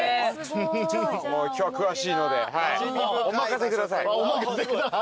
今日は詳しいのでお任せください。